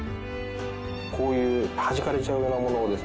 こういうはじかれちゃうようなものをですね